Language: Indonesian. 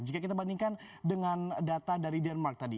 jika kita bandingkan dengan data dari denmark tadi